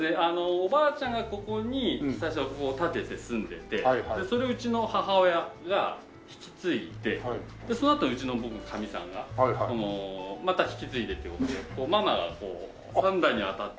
おばあちゃんがここに最初は建てて住んでてそれをうちの母親が引き継いでそのあとうちの僕のかみさんがまた引き継いでっていう事でママが３代にわたって。